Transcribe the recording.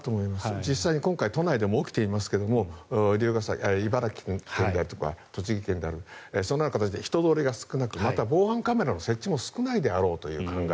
実際今回、都内でも起きていますが茨城県とか栃木県とか、人通りが少なくまた防犯カメラの設置も少ないだろうという考え